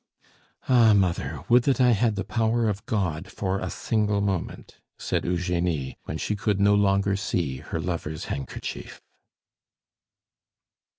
"Ah! mother, would that I had the power of God for a single moment," said Eugenie, when she could no longer see her lover's handkerchief.